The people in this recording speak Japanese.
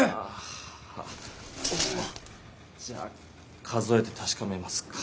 じゃ数えて確かめますか。